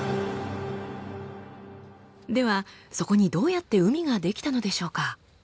ではそこにどうやって海が出来たのでしょうか？